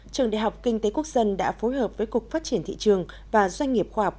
trường đại học kinh tế quốc dân đã phối hợp với cục phát triển thị trường và doanh nghiệp khoa học